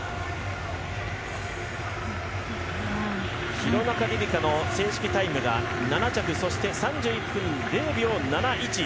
廣中璃梨佳の正式タイムが７着そして３１分０秒７１。